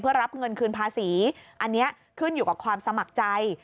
เพื่อรับเงินคืนภาษีอันนี้ขึ้นอยู่กับความสมัครใจ